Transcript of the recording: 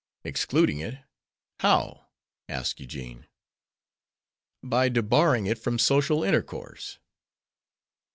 "Excluding it! How?" asked Eugene. "By debarring it from social intercourse."